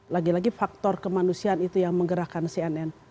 lagi lagi faktor kemanusiaan itu yang menggerakkan cnn